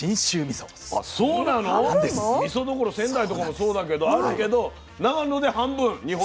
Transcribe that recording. みそどころ仙台とかもそうだけどあるけど長野で半分日本の。